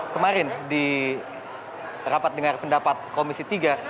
kemarin di rapat dengar pendapat komisi tiga